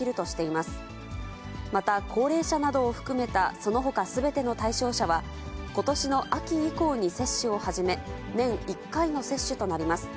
また高齢者などを含めたそのほかすべての対象者は、ことしの秋以降に接種を始め、年１回の接種となります。